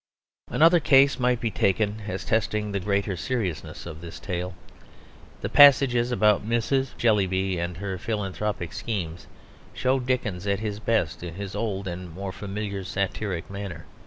Another case might be taken as testing the greater seriousness of this tale. The passages about Mrs. Jellyby and her philanthropic schemes show Dickens at his best in his old and more familiar satiric manner.